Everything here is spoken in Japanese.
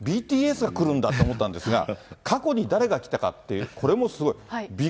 ＢＴＳが出るんだと思ったんですが、過去に誰が来たかって、これ驚きです。